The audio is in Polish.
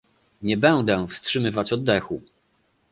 Nie będę wstrzymywać oddechu